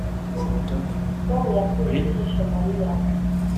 Tom yakuyeho ijisho Mariya